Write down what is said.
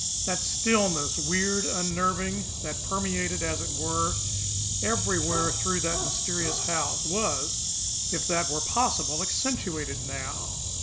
That stillness, weird, unnerving, that permeated, as it were, everywhere through that mysterious house, was, if that were possible, accentuated now.